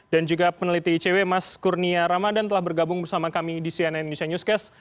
dan juga peneliti icw mas kurnia ramadhan telah bergabung bersama kami di cnn indonesia newscast